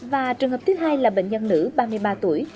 và trường hợp thứ hai là bệnh nhân nữ ba mươi ba tuổi